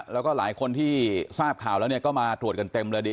แล้วก็หลายคนที่ทราบข่าวแล้วก็มาตรวจกันเต็มเลยดิ